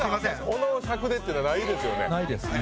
この尺でというのはないですよね。